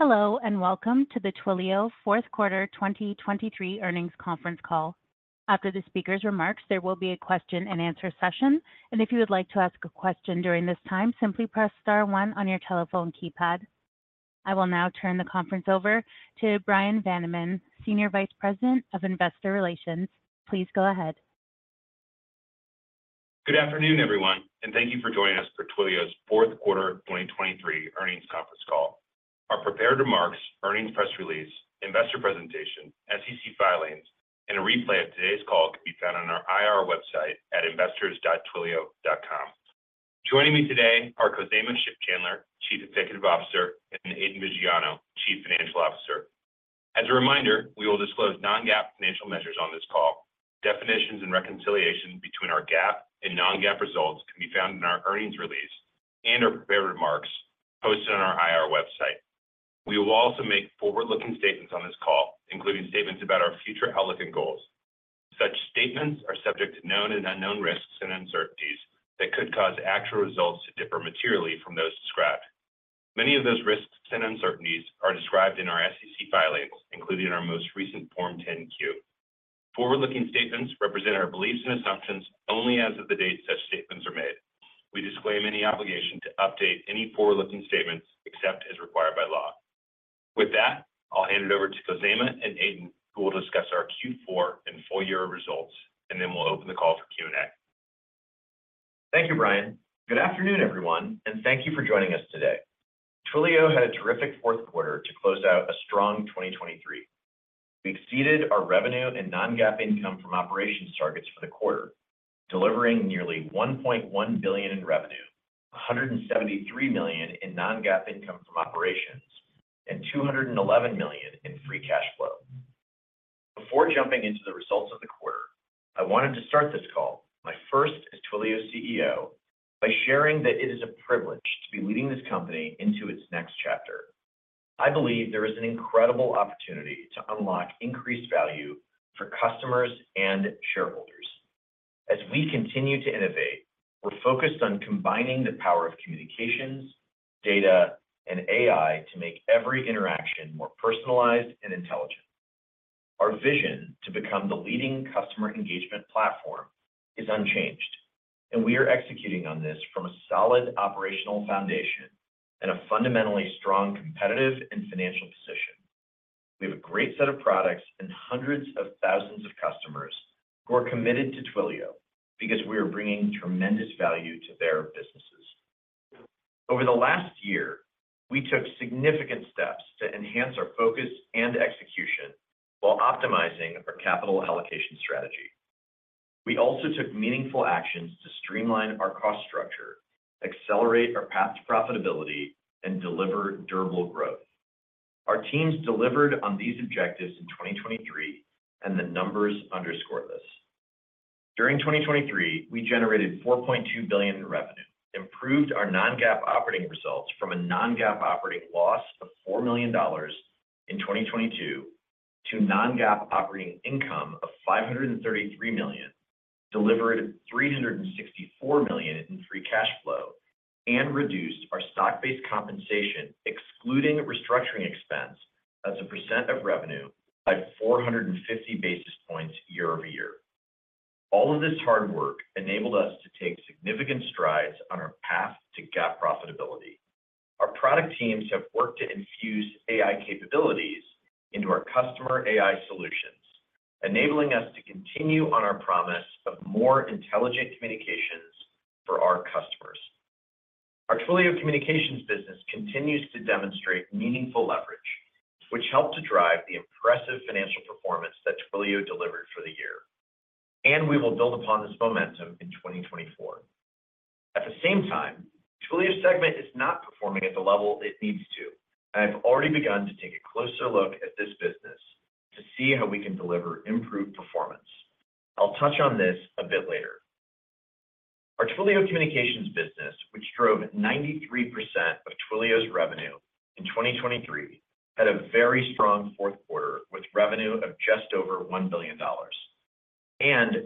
Hello and welcome to the Twilio fourth quarter 2023 earnings conference call. After the speaker's remarks, there will be a question-and-answer session, and if you would like to ask a question during this time, simply press star 1 on your telephone keypad. I will now turn the conference over to Bryan Vaniman, Senior Vice President of Investor Relations. Please go ahead. Good afternoon, everyone, and thank you for joining us for Twilio's fourth quarter 2023 earnings conference call. Our prepared remarks, earnings press release, investor presentation, SEC filings, and a replay of today's call can be found on our IR website at investors.twilio.com. Joining me today are Khozema Shipchandler, Chief Executive Officer, and Aidan Viggiano, Chief Financial Officer. As a reminder, we will disclose non-GAAP financial measures on this call. Definitions and reconciliation between our GAAP and non-GAAP results can be found in our earnings release and our prepared remarks posted on our IR website. We will also make forward-looking statements on this call, including statements about our future outlook and goals. Such statements are subject to known and unknown risks and uncertainties that could cause actual results to differ materially from those described. Many of those risks and uncertainties are described in our SEC filings, including our most recent Form 10-Q. Forward-looking statements represent our beliefs and assumptions only as of the date such statements are made. We disclaim any obligation to update any forward-looking statements except as required by law. With that, I'll hand it over to Khozema and Aidan, who will discuss our Q4 and full-year results, and then we'll open the call for Q&A. Thank you, Brian. Good afternoon, everyone, and thank you for joining us today. Twilio had a terrific fourth quarter to close out a strong 2023. We exceeded our revenue and non-GAAP income from operations targets for the quarter, delivering nearly $1.1 billion in revenue, $173 million in non-GAAP income from operations, and $211 million in free cash flow. Before jumping into the results of the quarter, I wanted to start this call, my first as Twilio CEO, by sharing that it is a privilege to be leading this company into its next chapter. I believe there is an incredible opportunity to unlock increased value for customers and shareholders. As we continue to innovate, we're focused on combining the power of communications, data, and AI to make every interaction more personalized and intelligent. Our vision to become the leading Customer Engagement Platform is unchanged, and we are executing on this from a solid operational foundation and a fundamentally strong competitive and financial position. We have a great set of products and hundreds of thousands of customers who are committed to Twilio because we are bringing tremendous value to their businesses. Over the last year, we took significant steps to enhance our focus and execution while optimizing our capital allocation strategy. We also took meaningful actions to streamline our cost structure, accelerate our path to profitability, and deliver durable growth. Our teams delivered on these objectives in 2023, and the numbers underscore this. During 2023, we generated $4.2 billion in revenue, improved our non-GAAP operating results from a non-GAAP operating loss of $4 million in 2022 to non-GAAP operating income of $533 million, delivered $364 million in free cash flow, and reduced our stock-based compensation, excluding restructuring expense, as a percent of revenue by 450 basis points year over year. All of this hard work enabled us to take significant strides on our path to GAAP profitability. Our product teams have worked to infuse AI capabilities into our CustomerAI solutions, enabling us to continue on our promise of more intelligent communications for our customers. Our Twilio Communications business continues to demonstrate meaningful leverage, which helped to drive the impressive financial performance that Twilio delivered for the year, and we will build upon this momentum in 2024. At the same time, Twilio's Segment is not performing at the level it needs to, and I've already begun to take a closer look at this business to see how we can deliver improved performance. I'll touch on this a bit later. Our Twilio Communications business, which drove 93% of Twilio's revenue in 2023, had a very strong fourth quarter with revenue of just over $1 billion.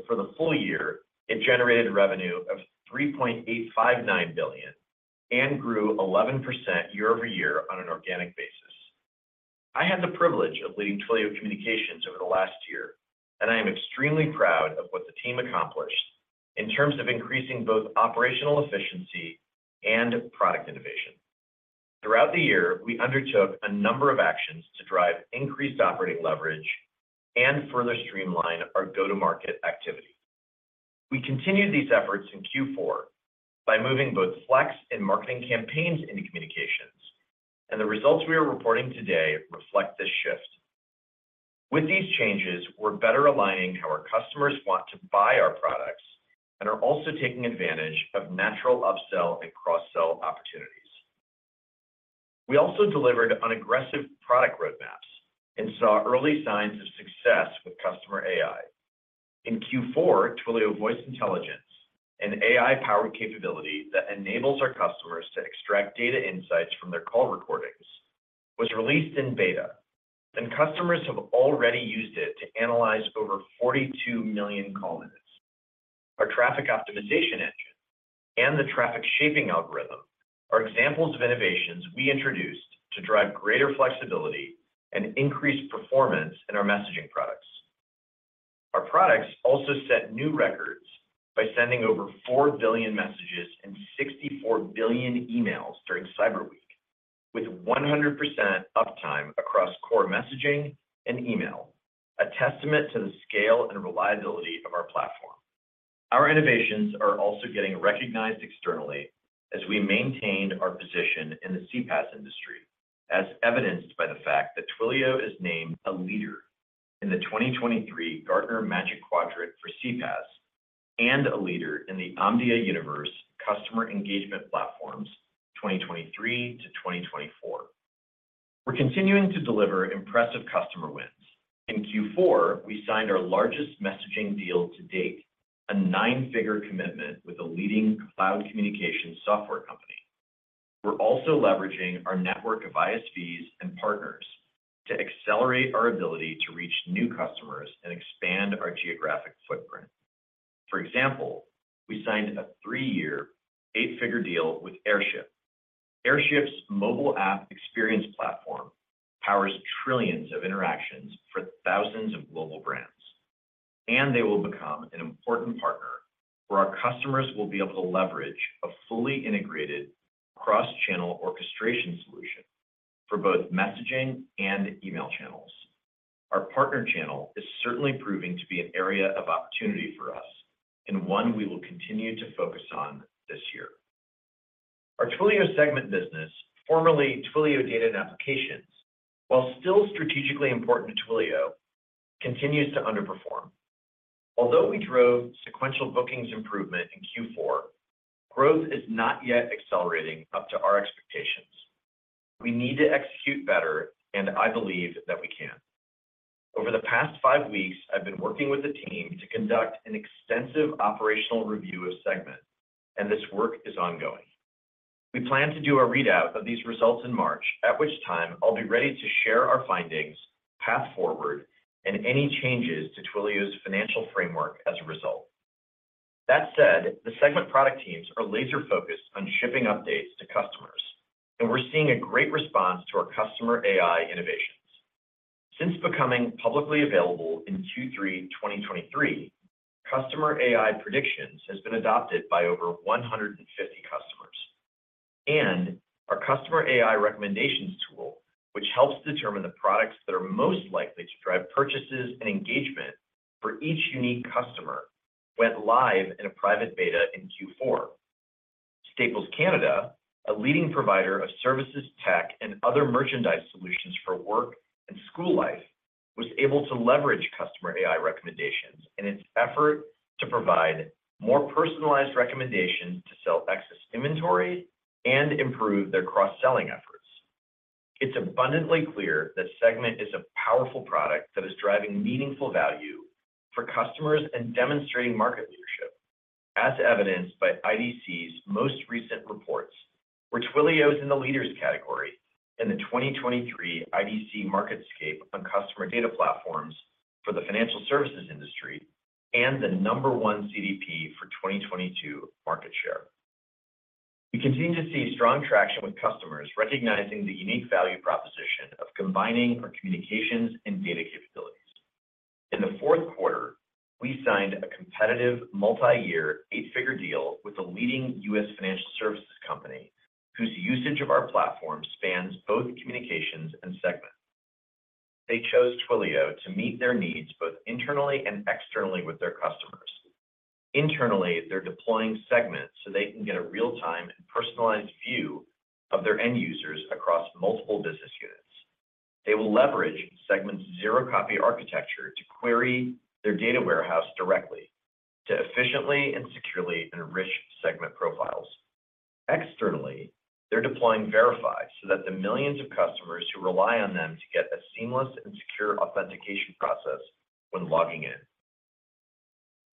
For the full year, it generated revenue of $3.859 billion and grew 11% year-over-year on an organic basis. I had the privilege of leading Twilio Communications over the last year, and I am extremely proud of what the team accomplished in terms of increasing both operational efficiency and product innovation. Throughout the year, we undertook a number of actions to drive increased operating leverage and further streamline our go-to-market activity. We continued these efforts in Q4 by moving both Flex and Marketing Campaigns into Communications, and the results we are reporting today reflect this shift. With these changes, we're better aligning how our customers want to buy our products and are also taking advantage of natural upsell and cross-sell opportunities. We also delivered aggressive product roadmaps and saw early signs of success with CustomerAI. In Q4, Twilio Voice Intelligence, an AI-powered capability that enables our customers to extract data insights from their call recordings, was released in beta, and customers have already used it to analyze over 42 million call minutes. Our traffic optimization engine and the traffic shaping algorithm are examples of innovations we introduced to drive greater flexibility and increased performance in our messaging products. Our products also set new records by sending over 4 billion messages and 64 billion emails during Cyber Week, with 100% uptime across core messaging and email, a testament to the scale and reliability of our platform. Our innovations are also getting recognized externally as we maintain our position in the CPaaS industry, as evidenced by the fact that Twilio is named a leader in the 2023 Gartner Magic Quadrant for CPaaS and a leader in the Omdia Universe Customer Engagement Platforms 2023 to 2024. We're continuing to deliver impressive customer wins. In Q4, we signed our largest messaging deal to date, a nine-figure commitment with a leading cloud communications software company. We're also leveraging our network of ISVs and partners to accelerate our ability to reach new customers and expand our geographic footprint. For example, we signed a three-year, eight-figure deal with Airship. Airship's mobile app experience platform powers trillions of interactions for thousands of global brands, and they will become an important partner where our customers will be able to leverage a fully integrated cross-channel orchestration solution for both messaging and email channels. Our partner channel is certainly proving to be an area of opportunity for us and one we will continue to focus on this year. Our Twilio Segment business, formerly Twilio Data and Applications, while still strategically important to Twilio, continues to underperform. Although we drove sequential bookings improvement in Q4, growth is not yet accelerating up to our expectations. We need to execute better, and I believe that we can. Over the past five weeks, I've been working with the team to conduct an extensive operational review of Segment, and this work is ongoing. We plan to do a readout of these results in March, at which time I'll be ready to share our findings, path forward, and any changes to Twilio's financial framework as a result. That said, the Segment product teams are laser-focused on shipping updates to customers, and we're seeing a great response to our CustomerAI Innovations. Since becoming publicly available in Q3 2023, CustomerAI Predictions have been adopted by over 150 customers, and our CustomerAI Recommendations tool, which helps determine the products that are most likely to drive purchases and engagement for each unique customer, went live in a private beta in Q4. Staples Canada, a leading provider of services, tech, and other merchandise solutions for work and school life, was able to leverage CustomerAI Recommendations in its effort to provide more personalized recommendations to sell excess inventory and improve their cross-selling efforts. It's abundantly clear that Segment is a powerful product that is driving meaningful value for customers and demonstrating market leadership, as evidenced by IDC's most recent reports, where Twilio is in the Leaders category in the 2023 IDC MarketScape on customer data platforms for the financial services industry and the number one CDP for 2022 market share. We continue to see strong traction with customers recognizing the unique value proposition of combining our communications and data capabilities. In the fourth quarter, we signed a competitive multi-year, eight-figure deal with a leading U.S. financial services company whose usage of our platform spans both Communications and Segment. They chose Twilio to meet their needs both internally and externally with their customers. Internally, they're deploying Segment so they can get a real-time and personalized view of their end users across multiple business units. They will leverage Segment's Zero Copy Architecture to query their data warehouse directly to efficiently and securely enrich Segment profiles. Externally, they're deploying Verify so that the millions of customers who rely on them can get a seamless and secure authentication process when logging in.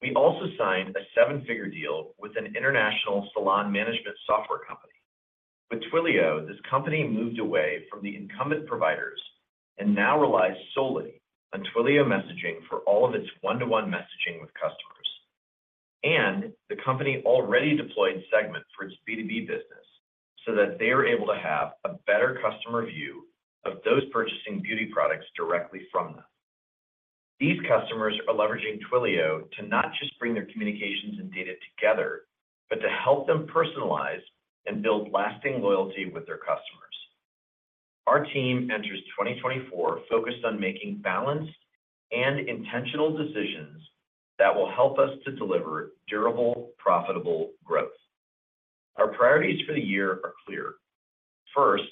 We also signed a seven-figure deal with an international salon management software company. With Twilio, this company moved away from the incumbent providers and now relies solely on Twilio Messaging for all of its one-to-one messaging with customers. And the company already deployed Segment for its B2B business so that they are able to have a better customer view of those purchasing beauty products directly from them. These customers are leveraging Twilio to not just bring their communications and data together but to help them personalize and build lasting loyalty with their customers. Our team enters 2024 focused on making balanced and intentional decisions that will help us to deliver durable, profitable growth. Our priorities for the year are clear. First,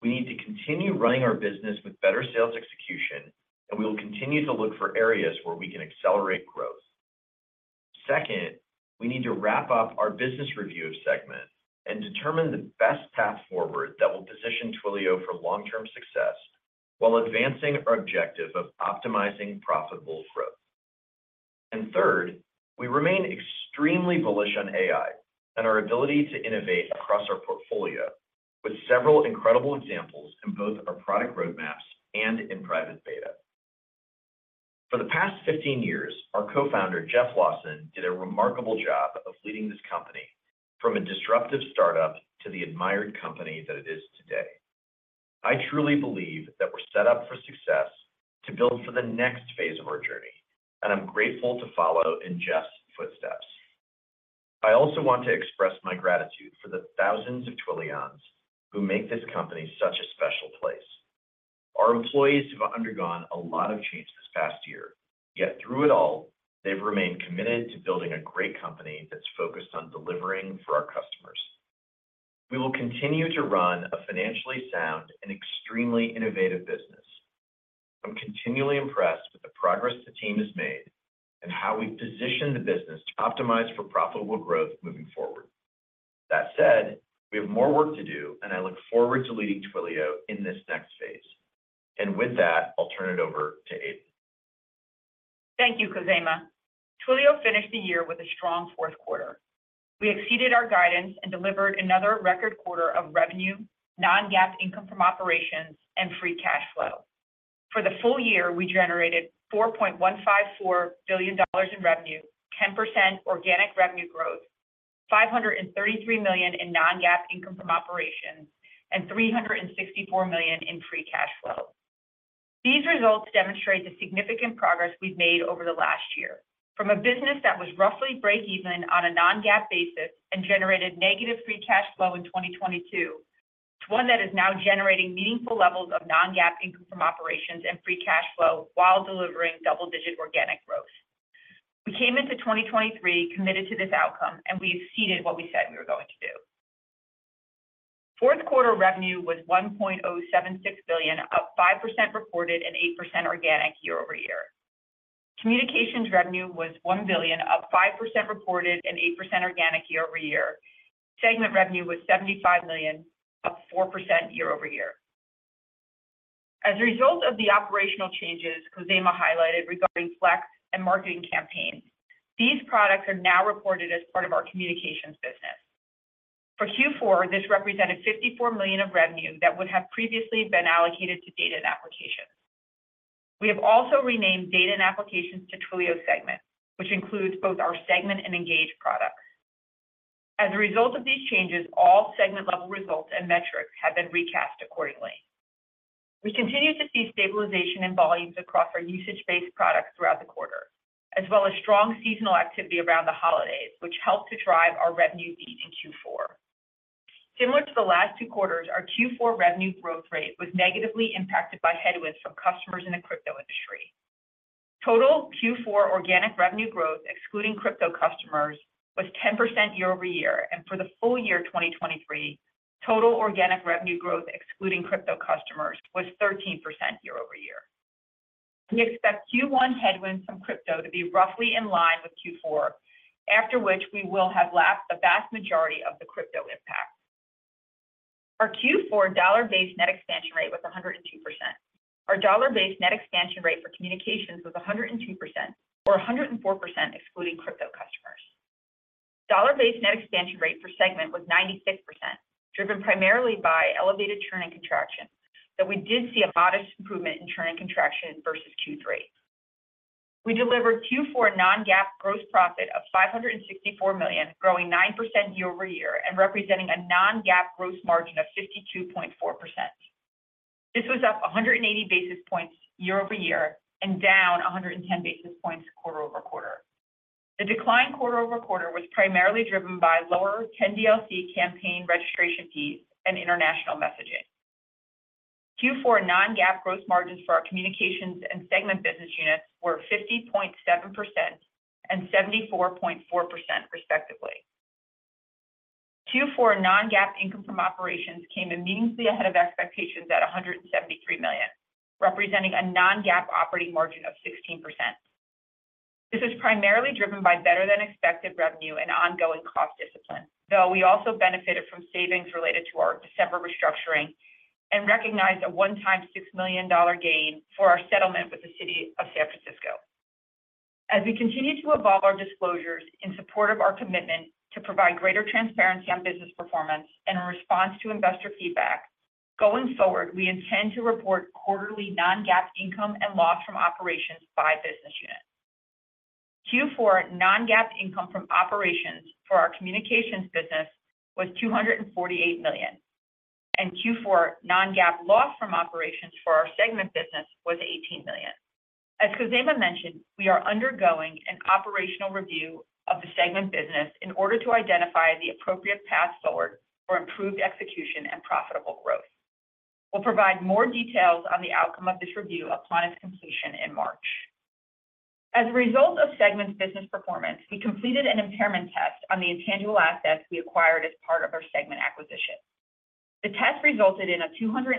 we need to continue running our business with better sales execution, and we will continue to look for areas where we can accelerate growth. Second, we need to wrap up our business review of Segment and determine the best path forward that will position Twilio for long-term success while advancing our objective of optimizing profitable growth. And third, we remain extremely bullish on AI and our ability to innovate across our portfolio with several incredible examples in both our product roadmaps and in private beta. For the past 15 years, our co-founder, Jeff Lawson, did a remarkable job of leading this company from a disruptive startup to the admired company that it is today. I truly believe that we're set up for success to build for the next phase of our journey, and I'm grateful to follow in Jeff's footsteps. I also want to express my gratitude for the thousands of Twilians who make this company such a special place. Our employees have undergone a lot of change this past year, yet through it all, they've remained committed to building a great company that's focused on delivering for our customers. We will continue to run a financially sound and extremely innovative business. I'm continually impressed with the progress the team has made and how we've positioned the business to optimize for profitable growth moving forward. That said, we have more work to do, and I look forward to leading Twilio in this next phase. With that, I'll turn it over to Aidan. Thank you, Khozema. Twilio finished the year with a strong fourth quarter. We exceeded our guidance and delivered another record quarter of revenue, Non-GAAP income from operations, and free cash flow. For the full year, we generated $4.154 billion in revenue, 10% organic revenue growth, $533 million in Non-GAAP income from operations, and $364 million in free cash flow. These results demonstrate the significant progress we've made over the last year, from a business that was roughly break-even on a Non-GAAP basis and generated negative free cash flow in 2022 to one that is now generating meaningful levels of Non-GAAP income from operations and free cash flow while delivering double-digit organic growth. We came into 2023 committed to this outcome, and we exceeded what we said we were going to do. Fourth quarter revenue was $1.076 billion, up 5% reported and 8% organic year-over-year. Communications revenue was $1 billion, up 5% reported and 8% organic year over year. Segment revenue was $75 million, up 4% year over year. As a result of the operational changes Khozema highlighted regarding Flex and Marketing Campaigns, these products are now reported as part of our communications business. For Q4, this represented $54 million of revenue that would have previously been allocated to data and applications. We have also renamed data and applications to Twilio Segment, which includes both our Segment and Engage products. As a result of these changes, all segment-level results and metrics have been recast accordingly. We continue to see stabilization in volumes across our usage-based products throughout the quarter, as well as strong seasonal activity around the holidays, which helped to drive our revenue beat in Q4. Similar to the last two quarters, our Q4 revenue growth rate was negatively impacted by headwinds from customers in the crypto industry. Total Q4 organic revenue growth excluding crypto customers was 10% year over year, and for the full year 2023, total organic revenue growth excluding crypto customers was 13% year over year. We expect Q1 headwinds from crypto to be roughly in line with Q4, after which we will have lapped the vast majority of the crypto impact. Our Q4 dollar-based net expansion rate was 102%. Our dollar-based net expansion rate for Communications was 102%, or 104% excluding crypto customers. Dollar-based net expansion rate for Segment was 96%, driven primarily by elevated churn and contraction, though we did see a modest improvement in churn and contraction versus Q3. We delivered Q4 non-GAAP gross profit of $564 million, growing 9% year over year and representing a non-GAAP gross margin of 52.4%. This was up 180 basis points year over year and down 110 basis points quarter over quarter. The decline quarter over quarter was primarily driven by lower 10DLC campaign registration fees and international messaging. Q4 non-GAAP gross margins for our Communications and Segment business units were 50.7% and 74.4%, respectively. Q4 non-GAAP income from operations came immediately ahead of expectations at $173 million, representing a non-GAAP operating margin of 16%. This is primarily driven by better-than-expected revenue and ongoing cost discipline, though we also benefited from savings related to our December restructuring and recognized a one-time $6 million gain for our settlement with the City of San Francisco. As we continue to evolve our disclosures in support of our commitment to provide greater transparency on business performance and in response to investor feedback, going forward, we intend to report quarterly Non-GAAP income and loss from operations by business unit. Q4 Non-GAAP income from operations for our Communications business was $248 million, and Q4 Non-GAAP loss from operations for our Segment business was $18 million. As Khozema mentioned, we are undergoing an operational review of the Segment business in order to identify the appropriate path forward for improved execution and profitable growth. We'll provide more details on the outcome of this review upon its completion in March. As a result of Segment's business performance, we completed an impairment test on the intangible assets we acquired as part of our Segment acquisition. The test resulted in a $286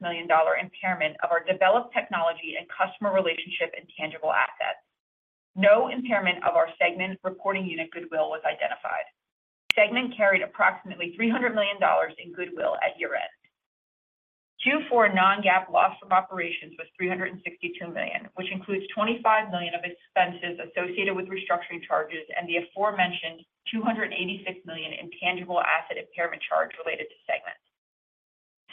million impairment of our developed technology and customer relationship intangible assets. No impairment of our Segment reporting unit goodwill was identified. Segment carried approximately $300 million in goodwill at year-end. Q4 non-GAAP loss from operations was $362 million, which includes $25 million of expenses associated with restructuring charges and the aforementioned $286 million intangible asset impairment charge related to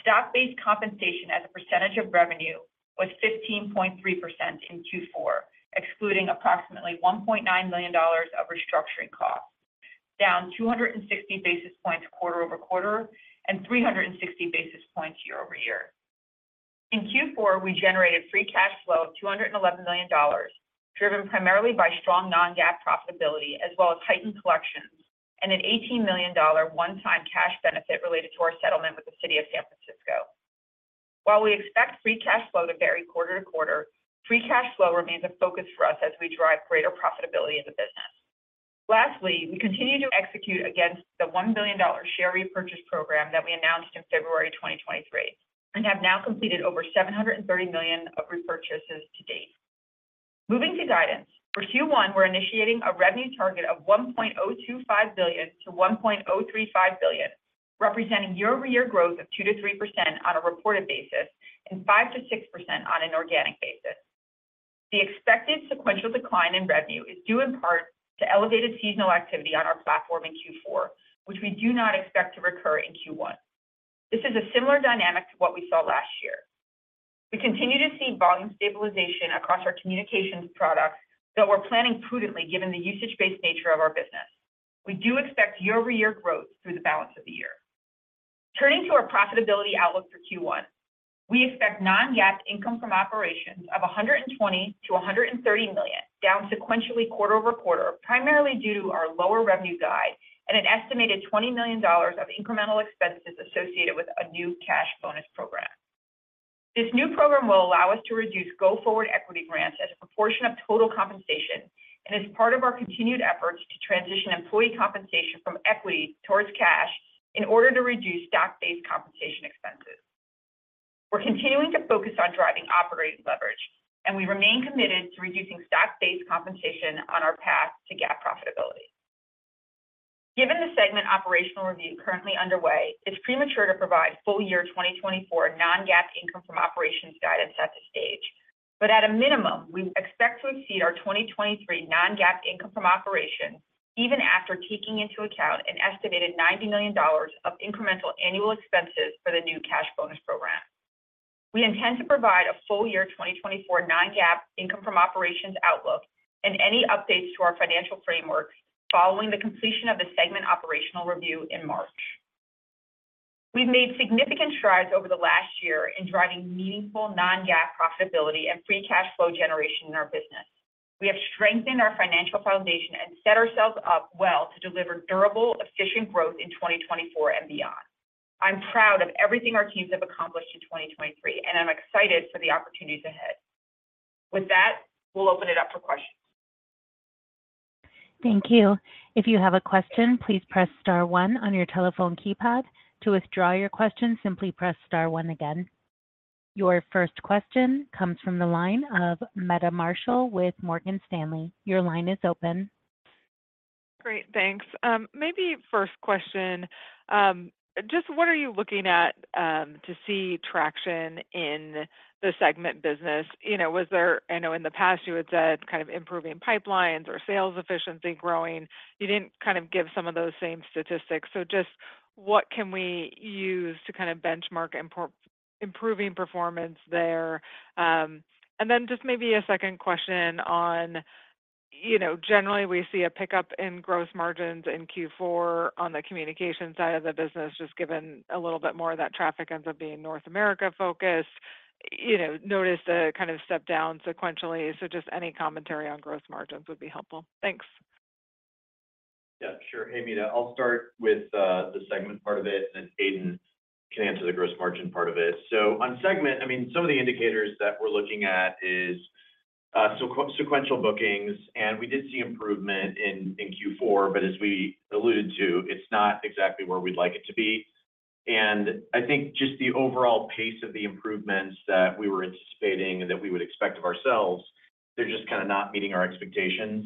Segment. Stock-based compensation as a percentage of revenue was 15.3% in Q4, excluding approximately $1.9 million of restructuring costs, down 260 basis points quarter-over-quarter and 360 basis points year-over-year. In Q4, we generated free cash flow of $211 million, driven primarily by strong non-GAAP profitability as well as heightened collections and an $18 million one-time cash benefit related to our settlement with the City of San Francisco. While we expect free cash flow to vary quarter-over-quarter, free cash flow remains a focus for us as we drive greater profitability in the business. Lastly, we continue to execute against the $1 billion share repurchase program that we announced in February 2023 and have now completed over $730 million of repurchases to date. Moving to guidance, for Q1, we're initiating a revenue target of $1.025 billion-$1.035 billion, representing year-over-year growth of 2%-3% on a reported basis and 5%-6% on an organic basis. The expected sequential decline in revenue is due in part to elevated seasonal activity on our platform in Q4, which we do not expect to recur in Q1. This is a similar dynamic to what we saw last year. We continue to see volume stabilization across our communications products, though we're planning prudently given the usage-based nature of our business. We do expect year-over-year growth through the balance of the year. Turning to our profitability outlook for Q1, we expect non-GAAP income from operations of $120 million-$130 million, down sequentially quarter-over-quarter, primarily due to our lower revenue guide and an estimated $20 million of incremental expenses associated with a new cash bonus program. This new program will allow us to reduce go-forward equity grants as a proportion of total compensation and is part of our continued efforts to transition employee compensation from equity towards cash in order to reduce stock-based compensation expenses. We're continuing to focus on driving operating leverage, and we remain committed to reducing stock-based compensation on our path to GAAP profitability. Given the segment operational review currently underway, it's premature to provide full year 2024 non-GAAP income from operations guidance at this stage, but at a minimum, we expect to exceed our 2023 non-GAAP income from operations even after taking into account an estimated $90 million of incremental annual expenses for the new cash bonus program. We intend to provide a full year 2024 non-GAAP income from operations outlook and any updates to our financial frameworks following the completion of the segment operational review in March. We've made significant strides over the last year in driving meaningful non-GAAP profitability and free cash flow generation in our business. We have strengthened our financial foundation and set ourselves up well to deliver durable, efficient growth in 2024 and beyond. I'm proud of everything our teams have accomplished in 2023, and I'm excited for the opportunities ahead. With that, we'll open it up for questions. Thank you. If you have a question, please press star 1 on your telephone keypad. To withdraw your question, simply press star 1 again. Your first question comes from the line of Meta Marshall with Morgan Stanley. Your line is open. Great. Thanks. Maybe first question, just what are you looking at to see traction in the Segment business? I know in the past you had said kind of improving pipelines or sales efficiency growing. You didn't kind of give some of those same statistics. So just what can we use to kind of benchmark improving performance there? And then just maybe a second question on generally, we see a pickup in gross margins in Q4 on the communications side of the business, just given a little bit more of that traffic ends up being North America-focused. Notice the kind of step down sequentially. So just any commentary on gross margins would be helpful. Thanks. Yeah, sure, Meta. I'll start with the segment part of it, and then Aidan can answer the gross margin part of it. So on segment, I mean, some of the indicators that we're looking at is sequential bookings, and we did see improvement in Q4, but as we alluded to, it's not exactly where we'd like it to be. And I think just the overall pace of the improvements that we were anticipating and that we would expect of ourselves, they're just kind of not meeting our expectations.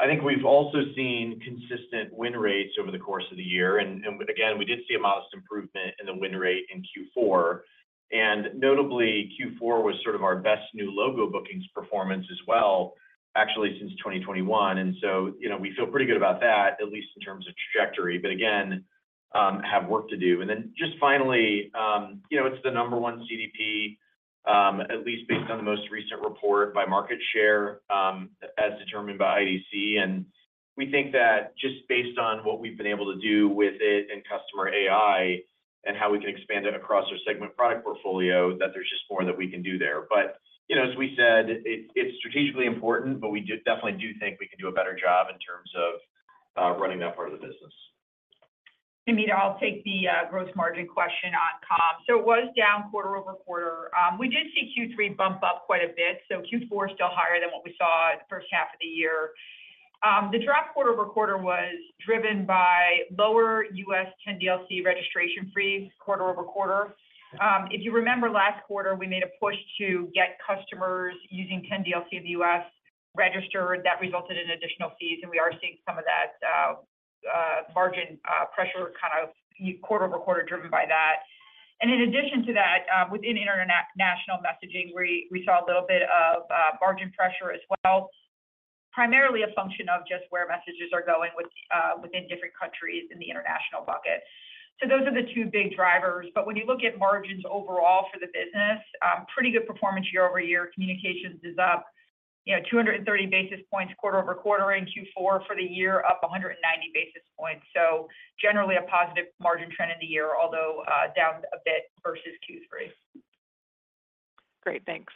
I think we've also seen consistent win rates over the course of the year. And again, we did see a modest improvement in the win rate in Q4. And notably, Q4 was sort of our best new logo bookings performance as well, actually, since 2021. So we feel pretty good about that, at least in terms of trajectory, but again, have work to do. Then just finally, it's the number one CDP, at least based on the most recent report by market share as determined by IDC. And we think that just based on what we've been able to do with it and CustomerAI and how we can expand it across our Segment product portfolio, that there's just more that we can do there. But as we said, it's strategically important, but we definitely do think we can do a better job in terms of running that part of the business. Meta, I'll take the gross margin question on comms. So it was down quarter over quarter. We did see Q3 bump up quite a bit, so Q4 still higher than what we saw the first half of the year. The drop quarter over quarter was driven by lower U.S. 10DLC registration fees quarter over quarter. If you remember last quarter, we made a push to get customers using 10DLC in the U.S. registered. That resulted in additional fees, and we are seeing some of that margin pressure kind of quarter over quarter driven by that. And in addition to that, within international messaging, we saw a little bit of margin pressure as well, primarily a function of just where messages are going within different countries in the international bucket. So those are the two big drivers. But when you look at margins overall for the business, pretty good performance year-over-year. Communications is up 230 basis points quarter-over-quarter in Q4 for the year, up 190 basis points. So generally, a positive margin trend in the year, although down a bit versus Q3. Great. Thanks.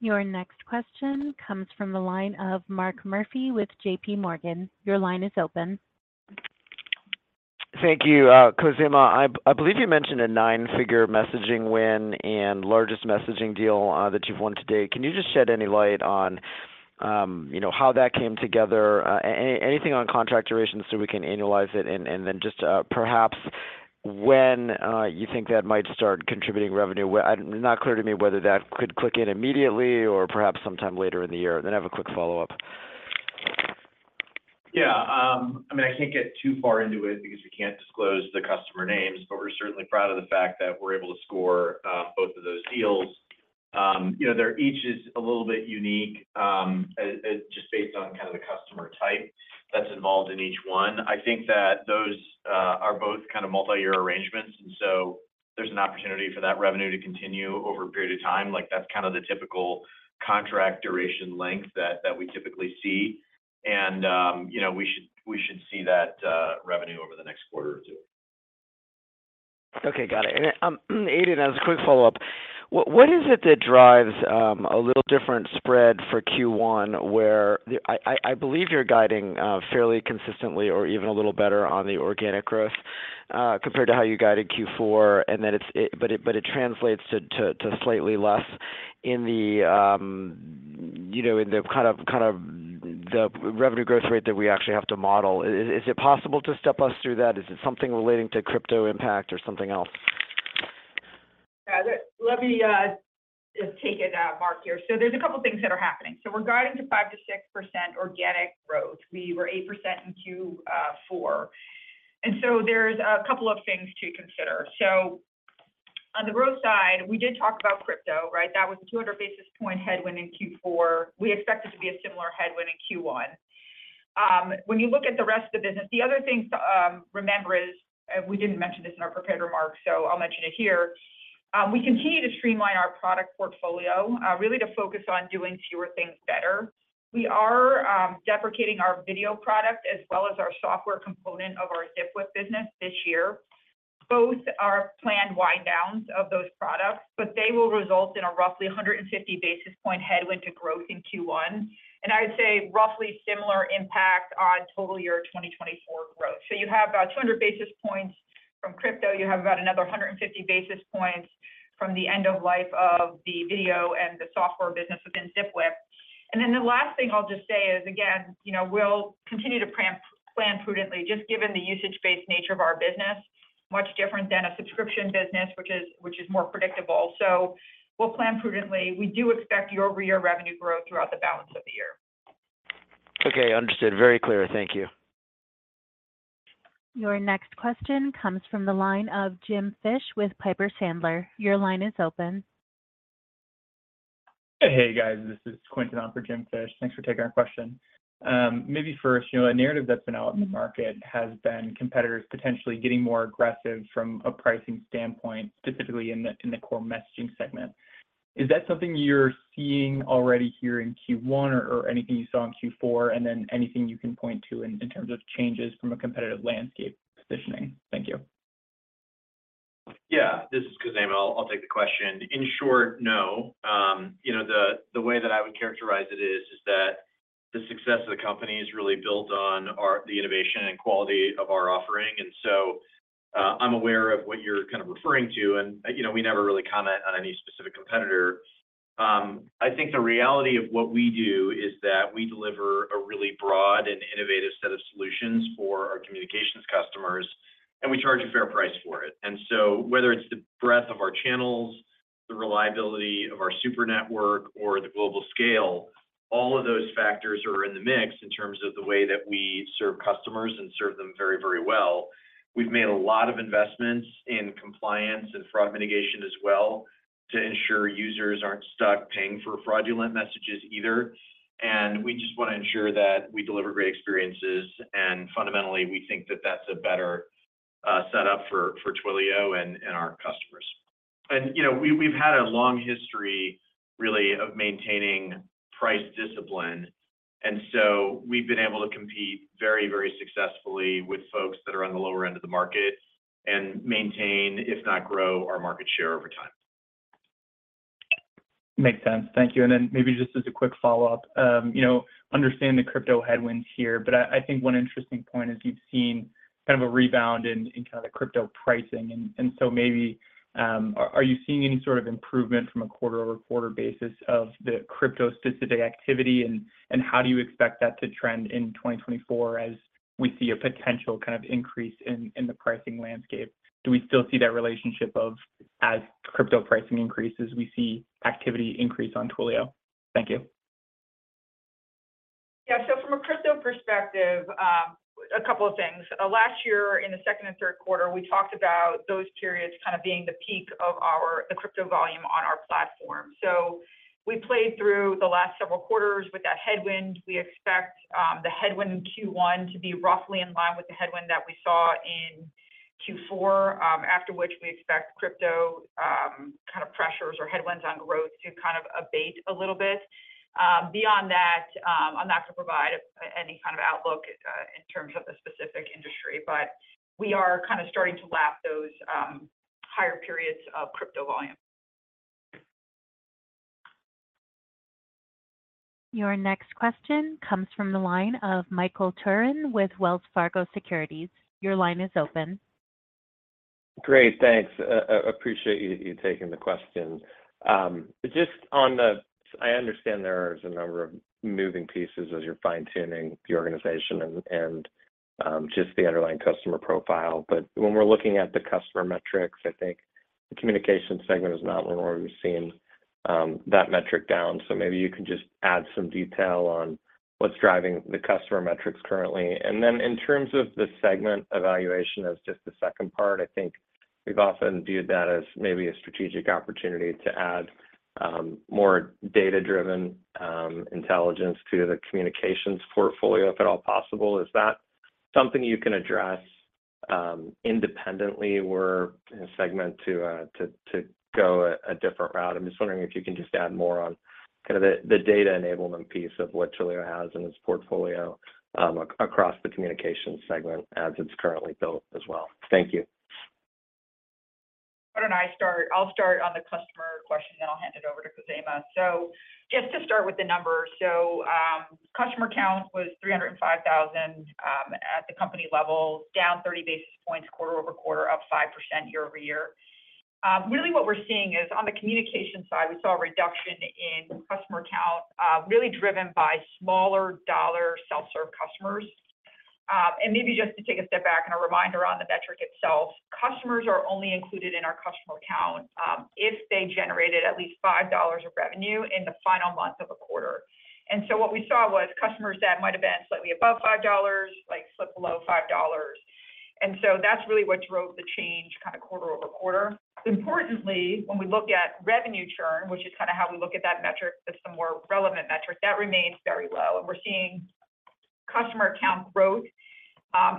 Your next question comes from the line of Mark Murphy with JP Morgan. Your line is open. Thank you, Khozema. I believe you mentioned a nine-figure messaging win and largest messaging deal that you've won today. Can you just shed any light on how that came together? Anything on contract durations so we can annualize it? And then just perhaps when you think that might start contributing revenue. It's not clear to me whether that could click in immediately or perhaps sometime later in the year. Then have a quick follow-up. Yeah. I mean, I can't get too far into it because we can't disclose the customer names, but we're certainly proud of the fact that we're able to score both of those deals. Each is a little bit unique just based on kind of the customer type that's involved in each one. I think that those are both kind of multi-year arrangements, and so there's an opportunity for that revenue to continue over a period of time. That's kind of the typical contract duration length that we typically see, and we should see that revenue over the next quarter or two. Okay. Got it. And Aidan, as a quick follow-up, what is it that drives a little different spread for Q1 where I believe you're guiding fairly consistently or even a little better on the organic growth compared to how you guided Q4, but it translates to slightly less in the kind of the revenue growth rate that we actually have to model? Is it possible to step us through that? Is it something relating to crypto impact or something else? Yeah. Let me just take it, Mark, here. So there's a couple of things that are happening. So we're guiding to 5%-6% organic growth. We were 8% in Q4. And so there's a couple of things to consider. So on the growth side, we did talk about crypto, right? That was a 200-basis-point headwind in Q4. We expect it to be a similar headwind in Q1. When you look at the rest of the business, the other thing to remember is we didn't mention this in our prepared remarks, so I'll mention it here. We continue to streamline our product portfolio, really to focus on doing fewer things better. We are deprecating our video product as well as our software component of our Zipwhip business this year. Both are planned wind-downs of those products, but they will result in a roughly 150-basis-point headwind to growth in Q1, and I would say roughly similar impact on total year 2024 growth. So you have about 200 basis points from crypto. You have about another 150 basis points from the end of life of the video and the software business within Zipwhip. And then the last thing I'll just say is, again, we'll continue to plan prudently, just given the usage-based nature of our business, much different than a subscription business, which is more predictable. So we'll plan prudently. We do expect year-over-year revenue growth throughout the balance of the year. Okay. Understood. Very clear. Thank you. Your next question comes from the line of Jim Fish with Piper Sandler. Your line is open. Hey, guys. This is Quinton on for Jim Fish. Thanks for taking our question. Maybe first, a narrative that's been out in the market has been competitors potentially getting more aggressive from a pricing standpoint, specifically in the core messaging segment. Is that something you're seeing already here in Q1 or anything you saw in Q4, and then anything you can point to in terms of changes from a competitive landscape positioning? Thank you. Yeah. This is Khozema. I'll take the question. In short, no. The way that I would characterize it is that the success of the company is really built on the innovation and quality of our offering. And so I'm aware of what you're kind of referring to, and we never really comment on any specific competitor. I think the reality of what we do is that we deliver a really broad and innovative set of solutions for our communications customers, and we charge a fair price for it. And so whether it's the breadth of our channels, the reliability of our Super Network, or the global scale, all of those factors are in the mix in terms of the way that we serve customers and serve them very, very well. We've made a lot of investments in compliance and fraud mitigation as well to ensure users aren't stuck paying for fraudulent messages either. And we just want to ensure that we deliver great experiences. And fundamentally, we think that that's a better setup for Twilio and our customers. And we've had a long history, really, of maintaining price discipline. And so we've been able to compete very, very successfully with folks that are on the lower end of the market and maintain, if not grow, our market share over time. Makes sense. Thank you. And then maybe just as a quick follow-up, understand the crypto headwinds here, but I think one interesting point is you've seen kind of a rebound in kind of the crypto pricing. And so maybe are you seeing any sort of improvement from a quarter-over-quarter basis of the crypto specific activity? And how do you expect that to trend in 2024 as we see a potential kind of increase in the pricing landscape? Do we still see that relationship of as crypto pricing increases, we see activity increase on Twilio? Thank you. Yeah. So from a crypto perspective, a couple of things. Last year, in the second and third quarter, we talked about those periods kind of being the peak of the crypto volume on our platform. So we played through the last several quarters with that headwind. We expect the headwind in Q1 to be roughly in line with the headwind that we saw in Q4, after which we expect crypto kind of pressures or headwinds on growth to kind of abate a little bit. Beyond that, I'm not going to provide any kind of outlook in terms of the specific industry, but we are kind of starting to lap those higher periods of crypto volume. Your next question comes from the line of Michael Turrin with Wells Fargo Securities. Your line is open. Great. Thanks. Appreciate you taking the question. Just on that, I understand there are a number of moving pieces as you're fine-tuning the organization and just the underlying customer profile. But when we're looking at the customer metrics, I think the Communications segment is not one where we've seen that metric down. So maybe you can just add some detail on what's driving the customer metrics currently. And then in terms of the Segment evaluation as just the second part, I think we've often viewed that as maybe a strategic opportunity to add more data-driven intelligence to the Communications portfolio, if at all possible. Is that something you can address independently or Segment to go a different route? I'm just wondering if you can just add more on kind of the data enablement piece of what Twilio has in its portfolio across the communications segment as it's currently built as well. Thank you. Why don't I start? I'll start on the customer question, then I'll hand it over to Khozema. So just to start with the numbers, so customer count was 305,000 at the company level, down 30 basis points quarter-over-quarter, up 5% year-over-year. Really, what we're seeing is on the communications side, we saw a reduction in customer count really driven by smaller dollar self-serve customers. And maybe just to take a step back and a reminder on the metric itself, customers are only included in our customer count if they generated at least $5 of revenue in the final month of a quarter. And so what we saw was customers that might have been slightly above $5 slip below $5. And so that's really what drove the change kind of quarter-over-quarter. Importantly, when we look at revenue churn, which is kind of how we look at that metric, that's the more relevant metric, that remains very low. We're seeing customer count growth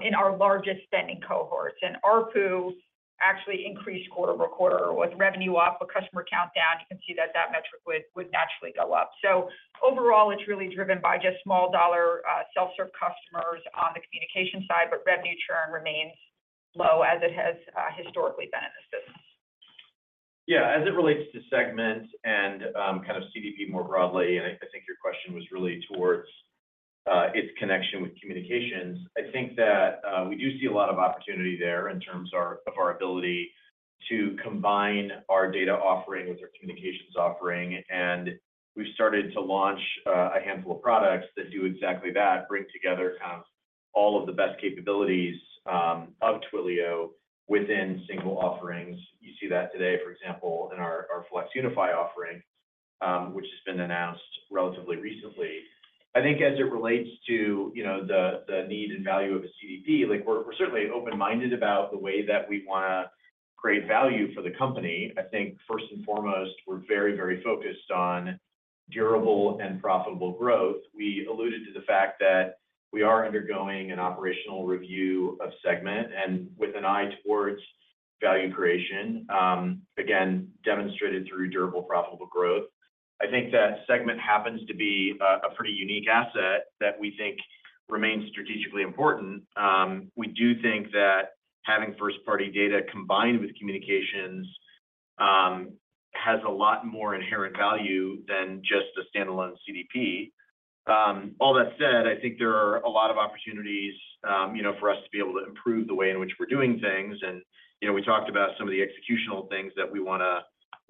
in our largest spending cohorts. ARPU actually increased quarter-over-quarter. With revenue up, but customer count down, you can see that that metric would naturally go up. Overall, it's really driven by just small dollar self-serve customers on the communications side, but revenue churn remains low as it has historically been in this business. Yeah. As it relates to Segment and kind of CDP more broadly, and I think your question was really towards its connection with communications, I think that we do see a lot of opportunity there in terms of our ability to combine our data offering with our communications offering. We've started to launch a handful of products that do exactly that, bring together kind of all of the best capabilities of Twilio within single offerings. You see that today, for example, in our Flex Unify offering, which has been announced relatively recently. I think as it relates to the need and value of a CDP, we're certainly open-minded about the way that we want to create value for the company. I think first and foremost, we're very, very focused on durable and profitable growth. We alluded to the fact that we are undergoing an operational review of Segment and with an eye towards value creation, again, demonstrated through durable, profitable growth. I think that Segment happens to be a pretty unique asset that we think remains strategically important. We do think that having first-party data combined with communications has a lot more inherent value than just a standalone CDP. All that said, I think there are a lot of opportunities for us to be able to improve the way in which we're doing things. We talked about some of the executional things that we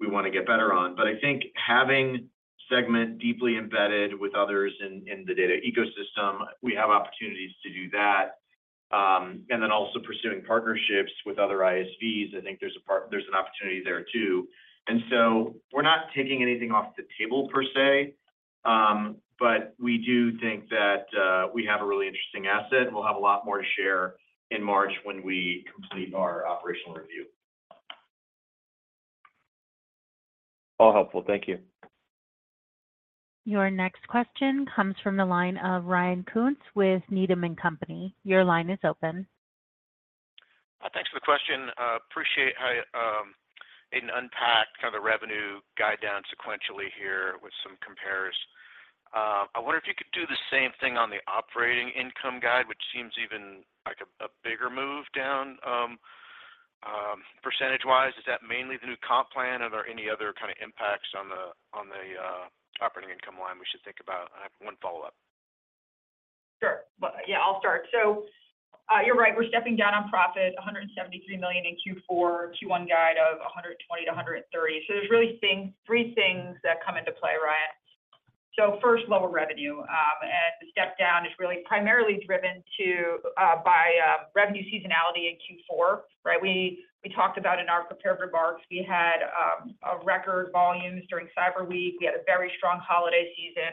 want to get better on. I think having Segment deeply embedded with others in the data ecosystem, we have opportunities to do that. Then also pursuing partnerships with other ISVs, I think there's an opportunity there too. And so we're not taking anything off the table per se, but we do think that we have a really interesting asset. We'll have a lot more to share in March when we complete our operational review. All helpful. Thank you. Your next question comes from the line of Ryan Koontz with Needham & Company. Your line is open. Thanks for the question. Appreciate Aidan unpacked kind of the revenue guide down sequentially here with some compares. I wonder if you could do the same thing on the operating income guide, which seems even like a bigger move down percentage-wise. Is that mainly the new comp plan, or are there any other kind of impacts on the operating income line we should think about? I have one follow-up. Sure. Yeah. I'll start. So you're right. We're stepping down on profit, $173 million in Q4, Q1 guide of $120 million-$130 million. So there's really three things that come into play, Ryan. So first, lower revenue. And the step down is really primarily driven by revenue seasonality in Q4, right? We talked about in our prepared remarks, we had record volumes during Cyber Week. We had a very strong holiday season.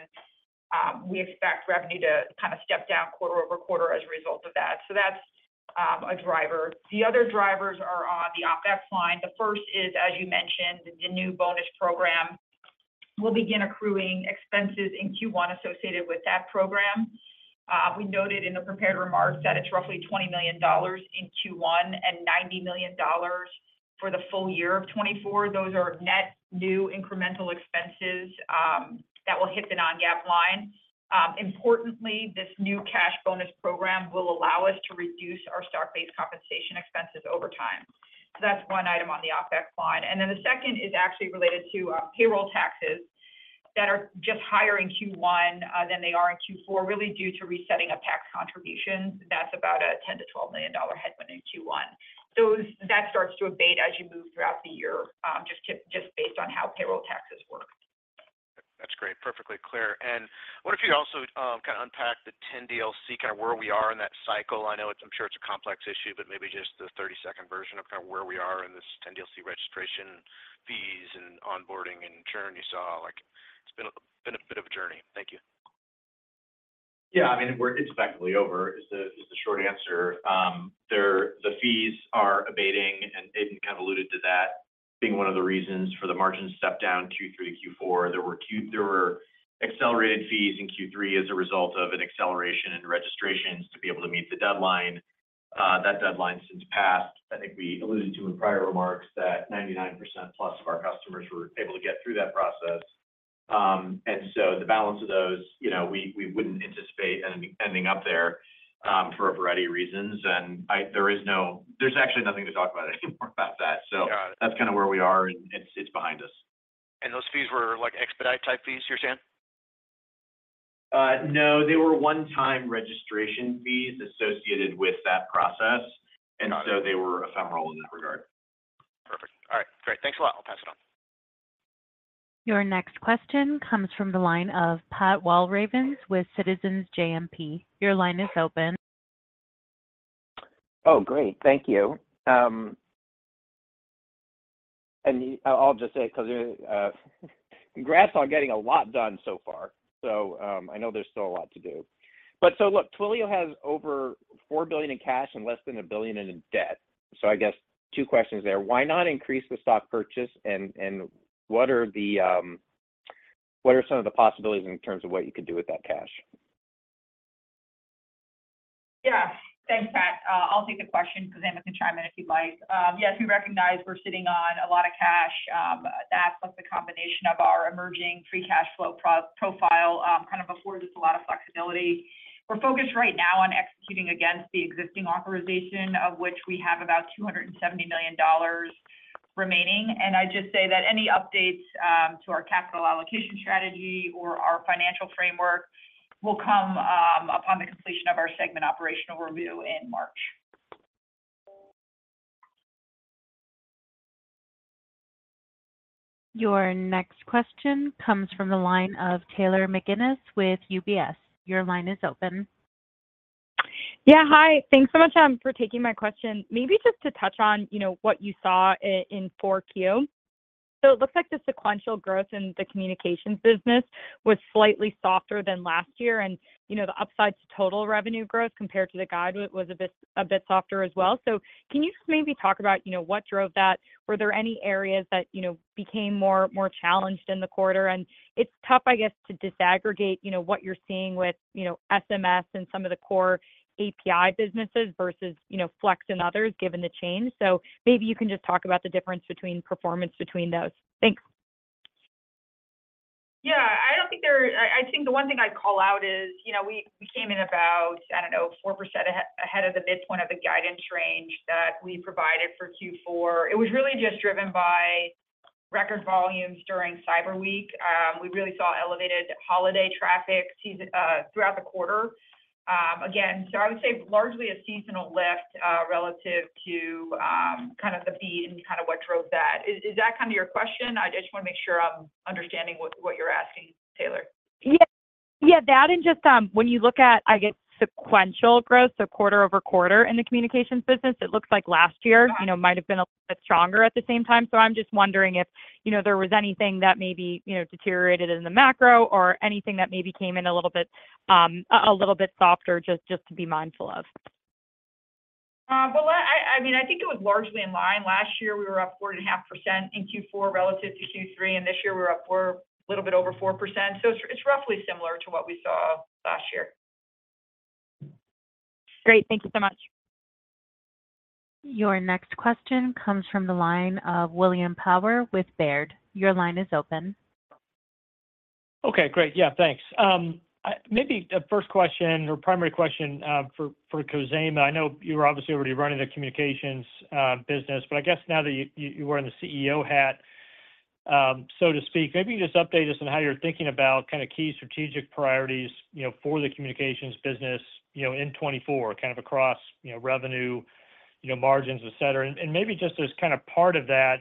We expect revenue to kind of step down quarter-over-quarter as a result of that. So that's a driver. The other drivers are on the OpEx line. The first is, as you mentioned, the new bonus program. We'll begin accruing expenses in Q1 associated with that program. We noted in the prepared remarks that it's roughly $20 million in Q1 and $90 million for the full year of 2024. Those are net new incremental expenses that will hit the non-GAAP line. Importantly, this new cash bonus program will allow us to reduce our stock-based compensation expenses over time. So that's one item on the OpEx line. And then the second is actually related to payroll taxes that are just higher in Q1 than they are in Q4, really due to resetting of tax contributions. That's about a $10 million-$12 million headwind in Q1. That starts to abate as you move throughout the year, just based on how payroll taxes work. That's great. Perfectly clear. And what if you also kind of unpack the 10DLC, kind of where we are in that cycle? I'm sure it's a complex issue, but maybe just the 30-second version of kind of where we are in this 10DLC registration fees and onboarding and churn you saw. It's been a bit of a journey. Thank you. Yeah. I mean, it's effectively over is the short answer. The fees are abating, and Aidan kind of alluded to that being one of the reasons for the margin step down Q3 to Q4. There were accelerated fees in Q3 as a result of an acceleration in registrations to be able to meet the deadline. That deadline since passed, I think we alluded to in prior remarks, that 99%+ of our customers were able to get through that process. And so the balance of those, we wouldn't anticipate ending up there for a variety of reasons. And there's actually nothing to talk about anymore about that. So that's kind of where we are, and it's behind us. Those fees were expedite-type fees, you're saying? No. They were one-time registration fees associated with that process. And so they were ephemeral in that regard. Perfect. All right. Great. Thanks a lot. I'll pass it on. Your next question comes from the line of Pat Walravens with Citizens JMP. Your line is open. Oh, great. Thank you. And I'll just say it because congrats on getting a lot done so far. So I know there's still a lot to do. But so look, Twilio has over $4 billion in cash and less than $1 billion in debt. So I guess two questions there. Why not increase the stock purchase, and what are some of the possibilities in terms of what you could do with that cash? Yeah. Thanks, Pat. I'll take the question, Khozema Shipchandler, if you'd like. Yes, we recognize we're sitting on a lot of cash. That's the combination of our emerging free cash flow profile kind of affords us a lot of flexibility. We're focused right now on executing against the existing authorization, of which we have about $270 million remaining. And I'd just say that any updates to our capital allocation strategy or our financial framework will come upon the completion of our Segment operational review in March. Your next question comes from the line of Taylor McGinnis with UBS. Your line is open. Yeah. Hi. Thanks so much for taking my question. Maybe just to touch on what you saw in Q4. So it looks like the sequential growth in the communications business was slightly softer than last year. And the upside to total revenue growth compared to the guide was a bit softer as well. So can you just maybe talk about what drove that? Were there any areas that became more challenged in the quarter? And it's tough, I guess, to disaggregate what you're seeing with SMS and some of the core API businesses versus Flex and others given the change. So maybe you can just talk about the difference between performance between those. Thanks. Yeah. I don't think I think the one thing I'd call out is we came in about, I don't know, 4% ahead of the midpoint of the guidance range that we provided for Q4. It was really just driven by record volumes during Cyber Week. We really saw elevated holiday traffic throughout the quarter. Again, so I would say largely a seasonal lift relative to kind of the beat and kind of what drove that. Is that kind of your question? I just want to make sure I'm understanding what you're asking, Taylor. Yeah. Yeah. That and just when you look at, I guess, sequential growth, so quarter-over-quarter in the communications business, it looks like last year might have been a little bit stronger at the same time. So I'm just wondering if there was anything that maybe deteriorated in the macro or anything that maybe came in a little bit softer, just to be mindful of. Well, I mean, I think it was largely in line. Last year, we were up 4.5% in Q4 relative to Q3. And this year, we're up a little bit over 4%. So it's roughly similar to what we saw last year. Great. Thank you so much. Your next question comes from the line of William Power with Baird. Your line is open. Okay. Great. Yeah. Thanks. Maybe the first question or primary question for Khozema. I know you were obviously already running the communications business, but I guess now that you were in the CEO hat, so to speak, maybe you just update us on how you're thinking about kind of key strategic priorities for the communications business in 2024, kind of across revenue, margins, etc. Maybe just as kind of part of that,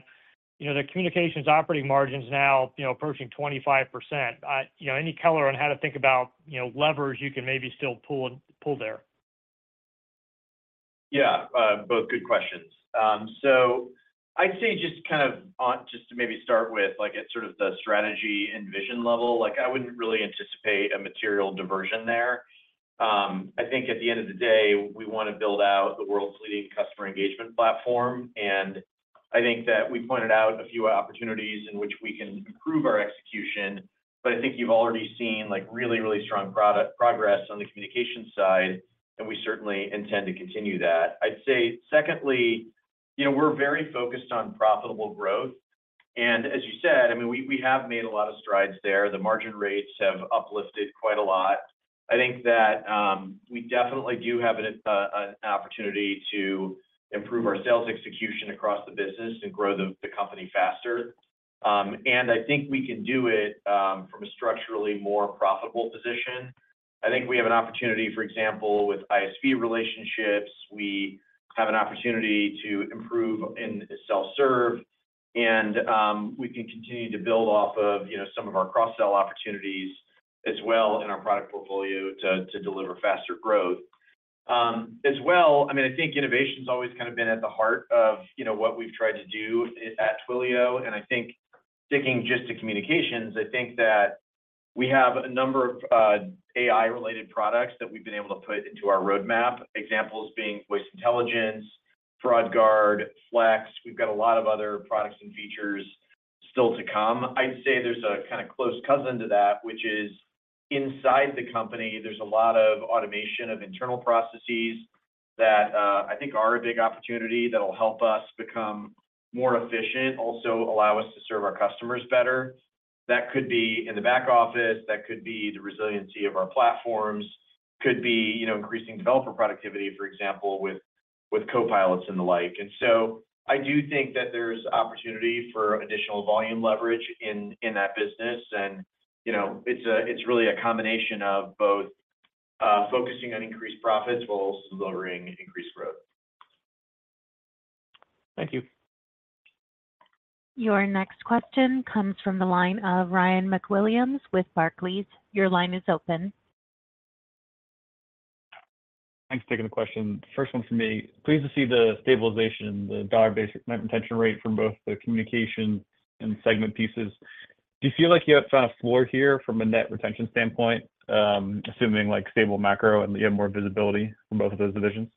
the communications operating margins now approaching 25%. Any color on how to think about levers you can maybe still pull there? Yeah. Both good questions. So I'd say just kind of just to maybe start with at sort of the strategy and vision level, I wouldn't really anticipate a material diversion there. I think at the end of the day, we want to build out the world's leading Customer Engagement Platform. And I think that we pointed out a few opportunities in which we can improve our execution. But I think you've already seen really, really strong progress on the communications side, and we certainly intend to continue that. I'd say secondly, we're very focused on profitable growth. And as you said, I mean, we have made a lot of strides there. The margin rates have uplifted quite a lot. I think that we definitely do have an opportunity to improve our sales execution across the business and grow the company faster. I think we can do it from a structurally more profitable position. I think we have an opportunity, for example, with ISV relationships. We have an opportunity to improve in self-serve. We can continue to build off of some of our cross-sell opportunities as well in our product portfolio to deliver faster growth. As well, I mean, I think innovation's always kind of been at the heart of what we've tried to do at Twilio. I think sticking just to communications, I think that we have a number of AI-related products that we've been able to put into our roadmap, examples being Voice Intelligence, Fraud Guard, Flex. We've got a lot of other products and features still to come. I'd say there's a kind of close cousin to that, which is inside the company, there's a lot of automation of internal processes that I think are a big opportunity that'll help us become more efficient, also allow us to serve our customers better. That could be in the back office. That could be the resiliency of our platforms. Could be increasing developer productivity, for example, with Copilots and the like. And so I do think that there's opportunity for additional volume leverage in that business. And it's really a combination of both focusing on increased profits while also delivering increased growth. Thank you. Your next question comes from the line of Ryan McWilliams with Barclays. Your line is open. Thanks for taking the question. First one for me. Pleased to see the stabilization, the dollar-based net retention rate from both the Communication and Segment pieces. Do you feel like you have found a floor here from a net retention standpoint, assuming stable macro and you have more visibility from both of those divisions?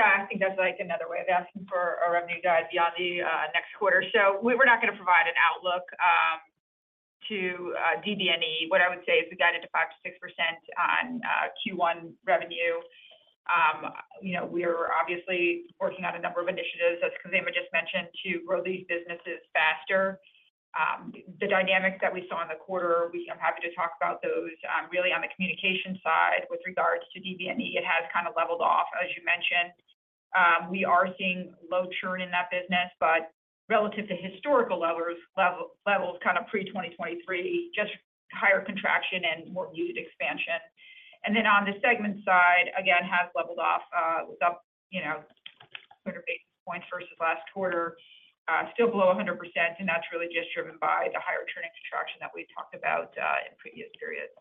Yeah. I think that's another way of asking for a revenue guide beyond the next quarter. So we're not going to provide an outlook to DBNE. What I would say is we guided to 5%-6% on Q1 revenue. We are obviously working on a number of initiatives, as Khozema just mentioned, to grow these businesses faster. The dynamics that we saw in the quarter, I'm happy to talk about those. Really, on the communication side with regards to DBNE, it has kind of leveled off, as you mentioned. We are seeing low churn in that business, but relative to historical levels kind of pre-2023, just higher contraction and more muted expansion. And then on the segment side, again, has leveled off. It was up 200 basis points versus last quarter, still below 100%. That's really just driven by the higher churn and contraction that we've talked about in previous periods.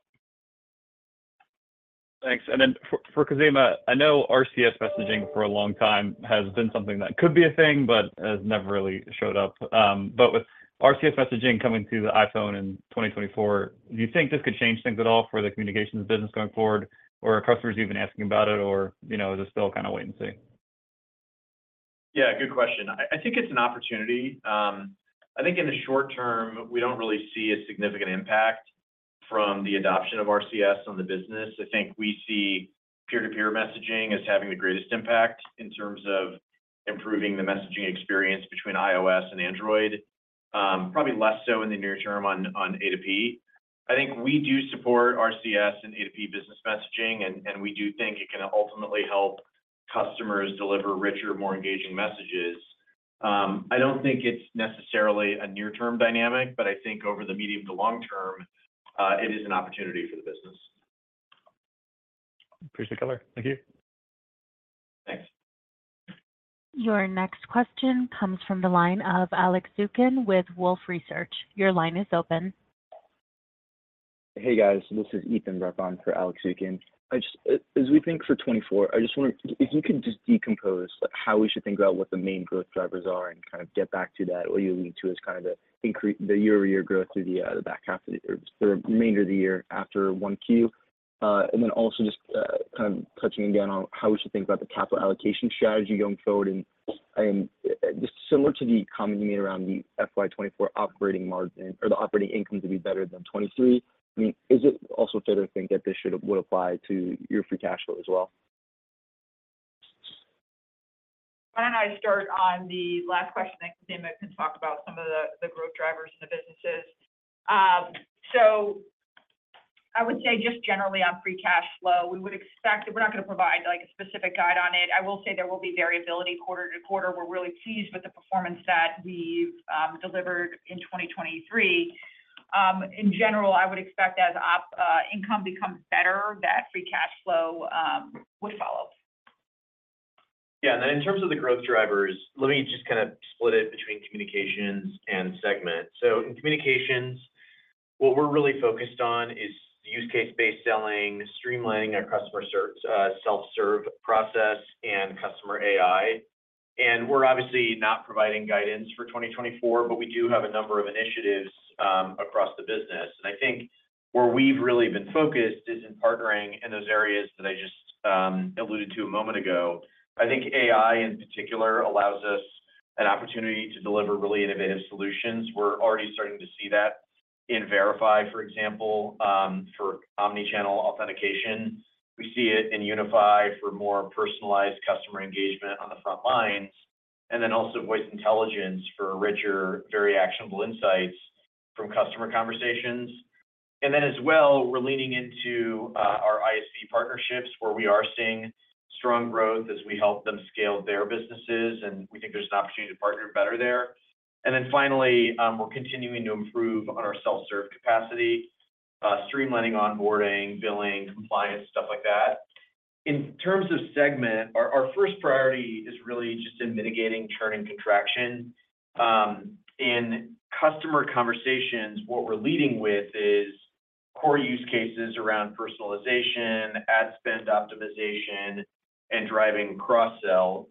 Thanks. And then for Khozema, I know RCS messaging for a long time has been something that could be a thing but has never really showed up. But with RCS messaging coming to the iPhone in 2024, do you think this could change things at all for the communications business going forward, or are customers even asking about it, or is this still kind of wait and see? Yeah. Good question. I think it's an opportunity. I think in the short term, we don't really see a significant impact from the adoption of RCS on the business. I think we see peer-to-peer messaging as having the greatest impact in terms of improving the messaging experience between iOS and Android, probably less so in the near term on A2P. I think we do support RCS and A2P business messaging, and we do think it can ultimately help customers deliver richer, more engaging messages. I don't think it's necessarily a near-term dynamic, but I think over the medium to long term, it is an opportunity for the business. Appreciate the color. Thank you. Thanks. Your next question comes from the line of Alex Zukin with Wolfe Research. Your line is open. Hey, guys. This is Ethan Reppon for Alex Zukin. As we think for 2024, I just wonder if you could just decompose how we should think about what the main growth drivers are and kind of get back to that. What you allude to is kind of the year-over-year growth through the back half of the or remainder of the year after 1Q. And then also just kind of touching again on how we should think about the capital allocation strategy going forward. And just similar to the comment you made around the FY2024 operating margin or the operating income to be better than 2023, I mean, is it also fair to think that this would apply to your free cash flow as well? Why don't I start on the last question? I think Khozema can talk about some of the growth drivers in the businesses. So I would say just generally on free cash flow, we would expect, we're not going to provide a specific guide on it. I will say there will be variability quarter to quarter. We're really pleased with the performance that we've delivered in 2023. In general, I would expect as income becomes better, that free cash flow would follow. Yeah. And then in terms of the growth drivers, let me just kind of split it between Communications and Segment. So in Communications, what we're really focused on is use-case-based selling, streamlining our customer self-serve process, and CustomerAI. And we're obviously not providing guidance for 2024, but we do have a number of initiatives across the business. And I think where we've really been focused is in partnering in those areas that I just alluded to a moment ago. I think AI, in particular, allows us an opportunity to deliver really innovative solutions. We're already starting to see that in Verify, for example, for omnichannel authentication. We see it in Unify for more personalized customer engagement on the front lines. And then also Voice Intelligence for richer, very actionable insights from customer conversations. Then as well, we're leaning into our ISV partnerships where we are seeing strong growth as we help them scale their businesses, and we think there's an opportunity to partner better there. Then finally, we're continuing to improve on our self-serve capacity, streamlining onboarding, billing, compliance, stuff like that. In terms of Segment, our first priority is really just in mitigating churn and contraction. In customer conversations, what we're leading with is core use cases around personalization, ad spend optimization, and driving cross-sell.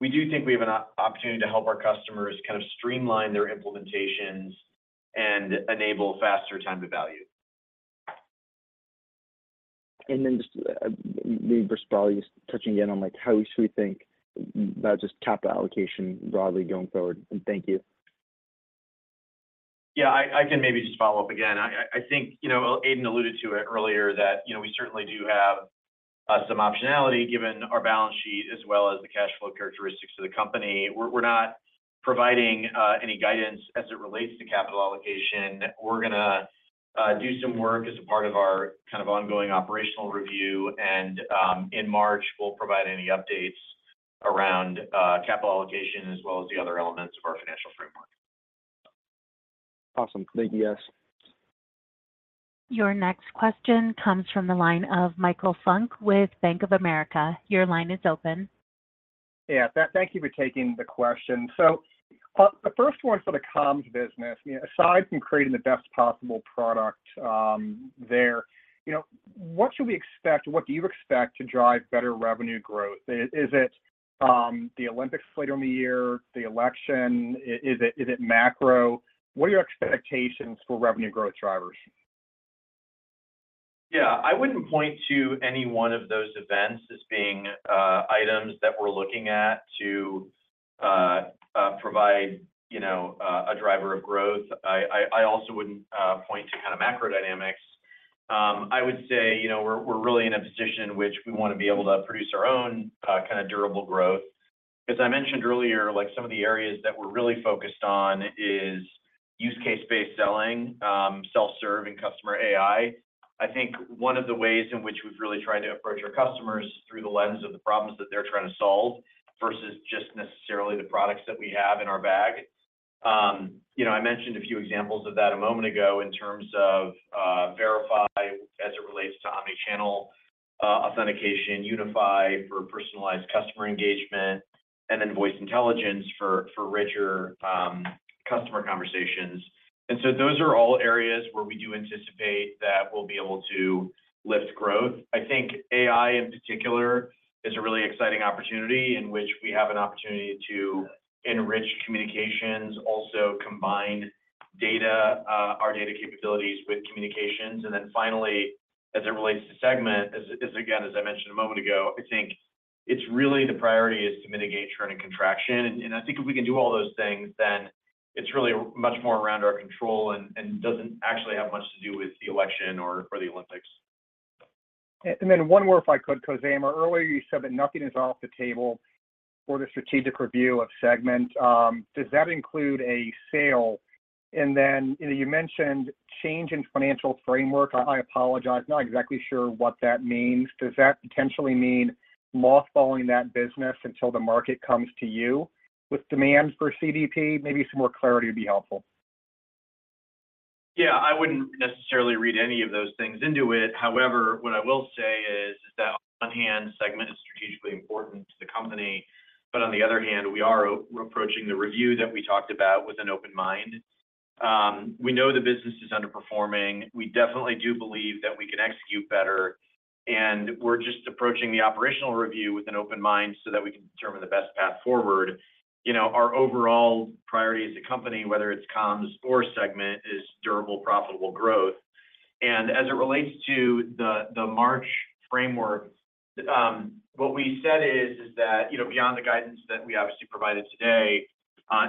We do think we have an opportunity to help our customers kind of streamline their implementations and enable faster time to value. And then, just maybe, crystal ball, you're touching again on how should we think about just capital allocation broadly going forward. And thank you. Yeah. I can maybe just follow up again. I think Aidan alluded to it earlier that we certainly do have some optionality given our balance sheet as well as the cash flow characteristics of the company. We're not providing any guidance as it relates to capital allocation. We're going to do some work as a part of our kind of ongoing operational review. In March, we'll provide any updates around capital allocation as well as the other elements of our financial framework. Awesome. Thank you. Yes. Your next question comes from the line of Michael Funk with Bank of America. Your line is open. Yeah. Thank you for taking the question. So the first one for the comms business, aside from creating the best possible product there, what should we expect or what do you expect to drive better revenue growth? Is it the Olympics later in the year, the election? Is it macro? What are your expectations for revenue growth drivers? Yeah. I wouldn't point to any one of those events as being items that we're looking at to provide a driver of growth. I also wouldn't point to kind of macro dynamics. I would say we're really in a position in which we want to be able to produce our own kind of durable growth. As I mentioned earlier, some of the areas that we're really focused on is use-case-based selling, self-serve, and CustomerAI. I think one of the ways in which we've really tried to approach our customers through the lens of the problems that they're trying to solve versus just necessarily the products that we have in our bag. I mentioned a few examples of that a moment ago in terms of Verify as it relates to omnichannel authentication, Unify for personalized customer engagement, and then Voice Intelligence for richer customer conversations. Those are all areas where we do anticipate that we'll be able to lift growth. I think AI, in particular, is a really exciting opportunity in which we have an opportunity to enrich communications, also combine our data capabilities with communications. Then finally, as it relates to Segment, again, as I mentioned a moment ago, I think it's really the priority is to mitigate churn and contraction. And I think if we can do all those things, then it's really much more around our control and doesn't actually have much to do with the election or the Olympics. Then one more if I could, Khozema. Earlier, you said that nothing is off the table for the strategic review of Segment. Does that include a sale? And then you mentioned change in financial framework. I apologize. Not exactly sure what that means. Does that potentially mean mothballing that business until the market comes to you with demands for CDP? Maybe some more clarity would be helpful. Yeah. I wouldn't necessarily read any of those things into it. However, what I will say is that on the one hand, Segment is strategically important to the company. But on the other hand, we are approaching the review that we talked about with an open mind. We know the business is underperforming. We definitely do believe that we can execute better. And we're just approaching the operational review with an open mind so that we can determine the best path forward. Our overall priority as a company, whether it's comms or Segment, is durable, profitable growth. As it relates to the March framework, what we said is that beyond the guidance that we obviously provided today,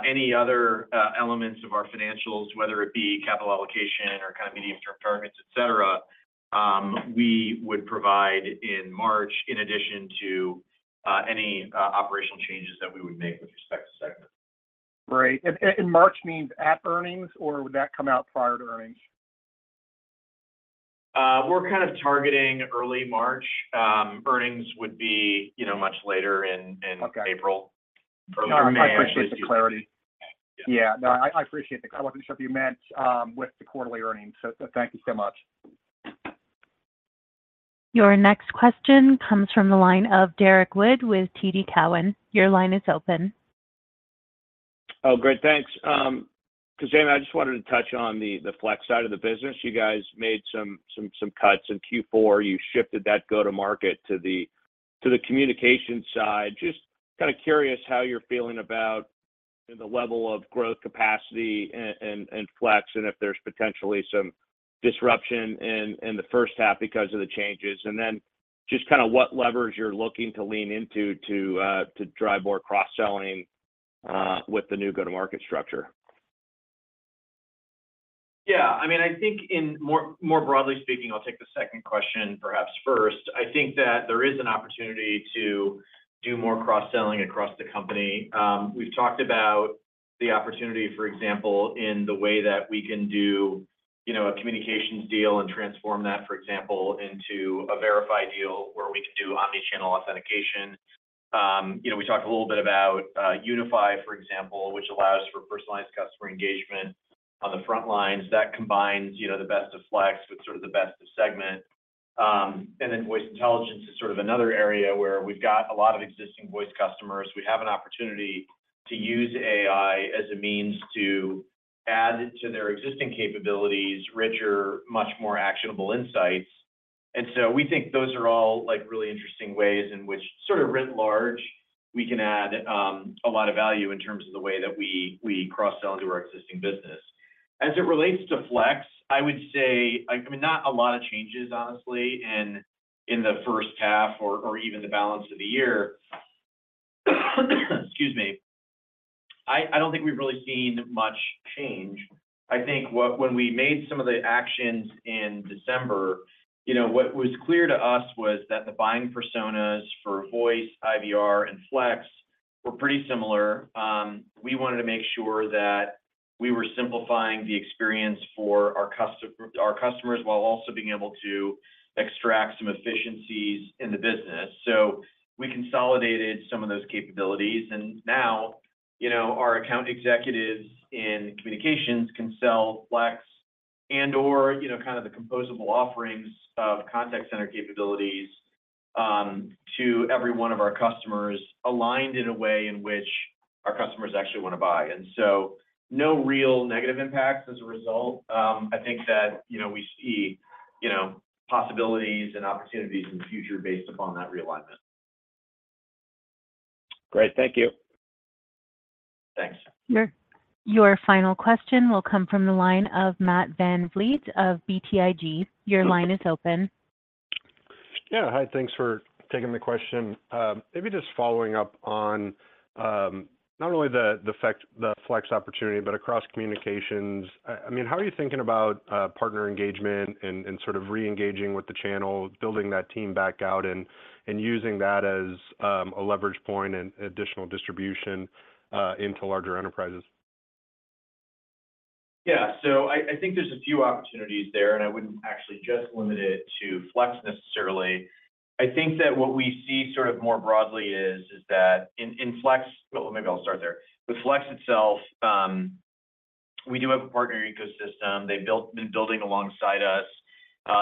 any other elements of our financials, whether it be capital allocation or kind of medium-term targets, etc., we would provide in March in addition to any operational changes that we would make with respect to Segment. Great. And March means at earnings, or would that come out prior to earnings? We're kind of targeting early March. Earnings would be much later in April. Early May, I believe. No, I appreciate the clarity. Yeah. No, I appreciate the clarity. I wanted to show you meant with the quarterly earnings. So thank you so much. Your next question comes from the line of Derrick Wood with TD Cowen. Your line is open. Oh, great. Thanks. Khozema, I just wanted to touch on the Flex side of the business. You guys made some cuts in Q4. You shifted that go-to-market to the Communications side. Just kind of curious how you're feeling about the level of growth capacity and Flex and if there's potentially some disruption in the first half because of the changes? And then just kind of what levers you're looking to lean into to drive more cross-selling with the new go-to-market structure? Yeah. I mean, I think more broadly speaking, I'll take the second question perhaps first. I think that there is an opportunity to do more cross-selling across the company. We've talked about the opportunity, for example, in the way that we can do a communications deal and transform that, for example, into a Verify deal where we can do omnichannel authentication. We talked a little bit about Unify, for example, which allows for personalized customer engagement on the front lines. That combines the best of Flex with sort of the best of Segment. And then Voice Intelligence is sort of another area where we've got a lot of existing voice customers. We have an opportunity to use AI as a means to add to their existing capabilities, richer, much more actionable insights. And so we think those are all really interesting ways in which, sort of writ large, we can add a lot of value in terms of the way that we cross-sell into our existing business. As it relates to Flex, I would say, I mean, not a lot of changes, honestly, in the first half or even the balance of the year. Excuse me. I don't think we've really seen much change. I think when we made some of the actions in December, what was clear to us was that the buying personas for voice, IVR, and Flex were pretty similar. We wanted to make sure that we were simplifying the experience for our customers while also being able to extract some efficiencies in the business. So we consolidated some of those capabilities. Now our account executives in communications can sell Flex and/or kind of the composable offerings of contact center capabilities to everyone of our customers aligned in a way in which our customers actually want to buy. So no real negative impacts as a result. I think that we see possibilities and opportunities in the future based upon that realignment. Great. Thank you. Thanks. Your final question will come from the line of Matt Van Vliet of BTIG. Your line is open. Yeah. Hi. Thanks for taking the question. Maybe just following up on not only the Flex opportunity, but across communications. I mean, how are you thinking about partner engagement and sort of reengaging with the channel, building that team back out, and using that as a leverage point and additional distribution into larger enterprises? Yeah. So I think there's a few opportunities there. And I wouldn't actually just limit it to Flex necessarily. I think that what we see sort of more broadly is that in Flex, well, maybe I'll start there. With Flex itself, we do have a partner ecosystem. They've been building alongside us.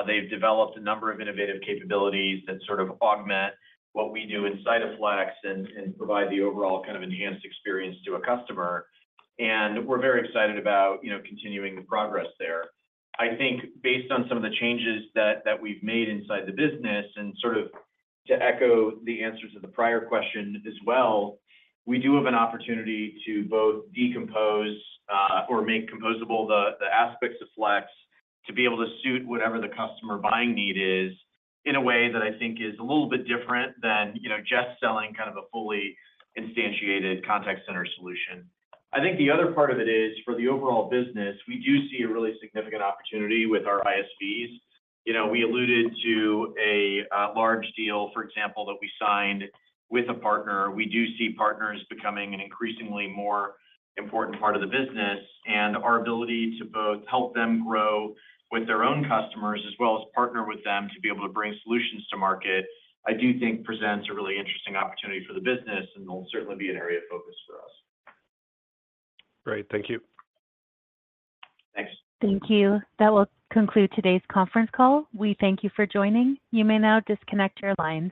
They've developed a number of innovative capabilities that sort of augment what we do inside of Flex and provide the overall kind of enhanced experience to a customer. And we're very excited about continuing the progress there. I think based on some of the changes that we've made inside the business, and sort of to echo the answers to the prior question as well, we do have an opportunity to both decompose or make composable the aspects of Flex to be able to suit whatever the customer buying need is in a way that I think is a little bit different than just selling kind of a fully instantiated contact center solution. I think the other part of it is for the overall business, we do see a really significant opportunity with our ISVs. We alluded to a large deal, for example, that we signed with a partner. We do see partners becoming an increasingly more important part of the business. Our ability to both help them grow with their own customers as well as partner with them to be able to bring solutions to market, I do think, presents a really interesting opportunity for the business and will certainly be an area of focus for us. Great. Thank you. Thanks. Thank you. That will conclude today's conference call. We thank you for joining. You may now disconnect your lines.